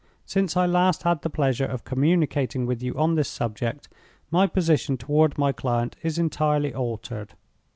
"Since I last had the pleasure of communicating with you on this subject, my position toward my client is entirely altered.